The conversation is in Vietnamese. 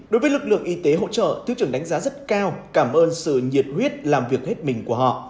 đối với lực lượng y tế hỗ trợ thứ trưởng đánh giá rất cao cảm ơn sự nhiệt huyết làm việc hết mình của họ